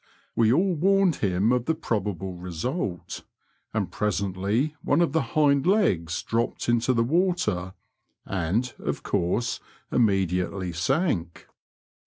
We all warned him of the probable result, and presently one of the hind legs dropped into the water, and, of coarse, immediately sank.